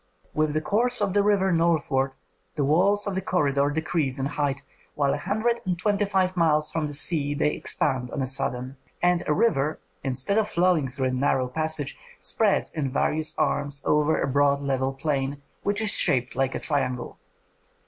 With the course of the river northward the walls of the corridor decrease in height, while a hundred and twenty five miles from the sea they expand on a sudden, and the river, instead of flowing through a narrow passage, spreads in various arms over a broad level plain which is shaped like a triangle.